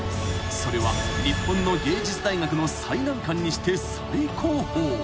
［それは日本の芸術大学の最難関にして最高峰］